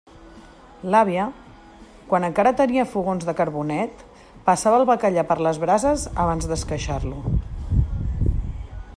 L'àvia, quan encara tenia fogons de carbonet, passava el bacallà per les brases abans d'esqueixar-lo.